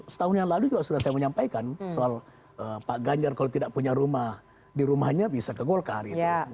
setahun yang lalu juga sudah saya menyampaikan soal pak ganjar kalau tidak punya rumah di rumahnya bisa ke golkar gitu